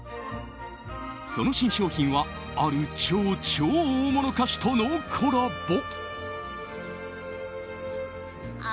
その新商品はある超超大物歌手とのコラボ。